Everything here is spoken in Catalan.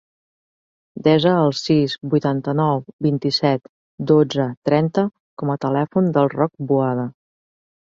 Desa el sis, vuitanta-nou, vint-i-set, dotze, trenta com a telèfon del Roc Boada.